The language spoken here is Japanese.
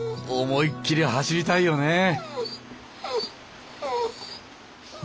思いっきり走りたいよね。